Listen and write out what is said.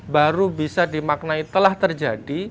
baru bisa dimaknai telah terjadi